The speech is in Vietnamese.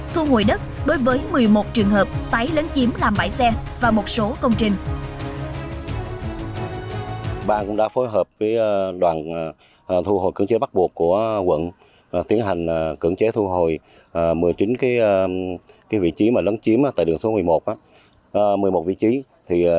thu hồi đất đối với một mươi một trường hợp tái lấn chiếm làm bãi xe và một số công trình